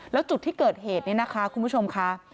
แล้วจุดที่เกิดเหตุนี้นะคะคุณผู้ชมค่ะ